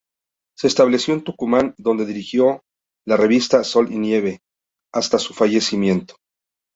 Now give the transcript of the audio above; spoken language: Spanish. Se estableció en Tucumán, donde dirigió la revista "Sol y Nieve" hasta su fallecimiento.